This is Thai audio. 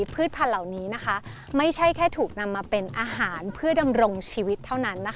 พืชพันธุ์เหล่านี้ไม่ใช่แค่ถูกนำมาเป็นอาหารเพื่อดำรงชีวิตเท่านั้น